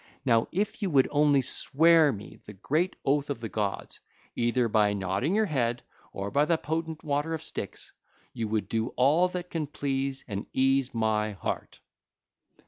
Now if you would only swear me the great oath of the gods, either by nodding your head, or by the potent water of Styx, you would do all that can please and ease my heart.